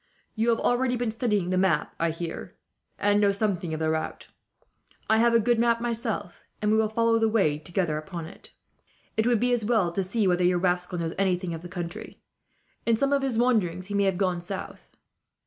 "You have already been studying the map, I hear, and know something of the route. I have a good map myself, and we will follow the way together upon it. It would be as well to see whether your rascal knows anything of the country. In some of his wanderings, he may have gone south."